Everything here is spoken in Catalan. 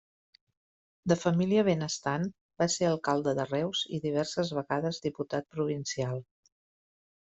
De família benestant, va ser alcalde de Reus i diverses vegades diputat provincial.